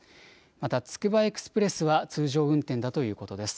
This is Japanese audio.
また、つくばエクスプレスは通常運転だということです。